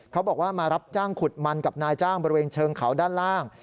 เขาบอกว่ามารับจ้างขุดมันกับนายจ้างบริเวณเชิงเขาด้านล่าง